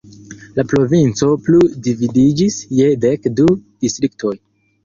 La provinco plu dividiĝis je dek du distriktoj.